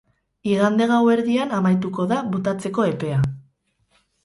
Igande gauerdian amaituko da botatzeko epea.